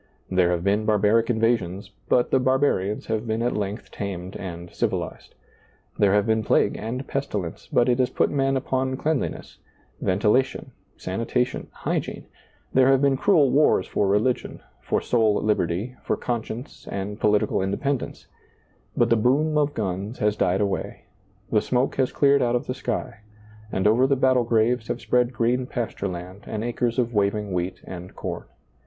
There have been barbaric invasions, but the barbarians have been at length tamed and civilized. There have been plague and pestilence, but it has put men upon cleanliness, ventilation, sanitation, hygiene ; there have been cruel wars for religion, for soul liberty, for conscience and political independence ; but the boom of guns has died away, the smoke has cleared out of the sky, and over the battle graves have spread green pasture land and acres of waving wheat and corn.